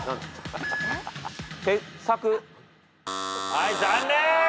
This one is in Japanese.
はい残念！